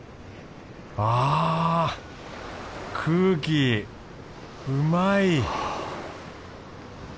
あ空気うまい！